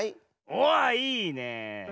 おいいね。